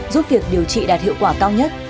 giúp việc điều trị đạt hiệu quả cao nhất